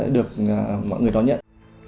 được mọi người đón nhận